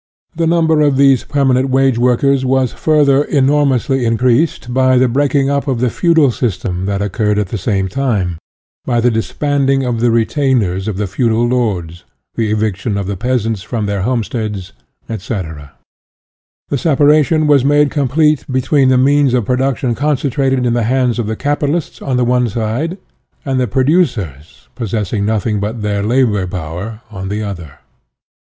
The number of these permanent wage workers was further enor mously increased by the breaking up of the feudal system that occurred at the same time, by the disbanding of the retainers of the feudal lords, the eviction of the peas ants from their homesteads, etc. The sepa ration was made complete between the means of production concentrated in the hands of the capitalists on the one side, and the pro ducers, possessing nothing but their labor power, on the other.